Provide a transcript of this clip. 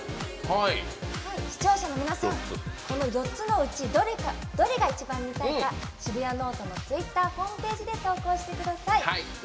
視聴者の皆さん、この４つのうちどれが一番見たいか「シブヤノオト」のツイッターホームページで投稿してください。